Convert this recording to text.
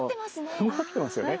持ってますよね。